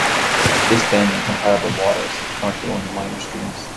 This bend, and comparable waters, are currently only minor streams.